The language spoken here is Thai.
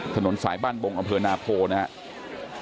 ถนนสายบ้านบงอำเภอนาโพนะครับ